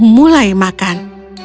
dan ergo mulai makan